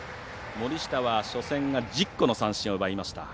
森下は、初戦が１０個の三振を奪いました。